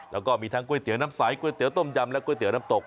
แล้วก็มีทั้งก๋วยเตี๋ยวน้ำใสก๋วยเตี๋ต้มยำและก๋วยเตี๋ยวน้ำตก